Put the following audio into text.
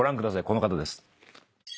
この方です。